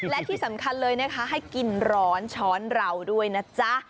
และที่สำคัญเลยนะคะให้กินร้อนช้อนเราด้วยนะจ๊ะ